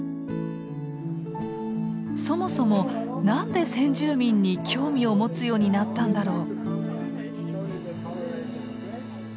そもそも何で先住民に興味を持つようになったんだろう？